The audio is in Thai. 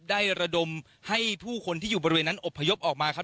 ระดมให้ผู้คนที่อยู่บริเวณนั้นอบพยพออกมาครับ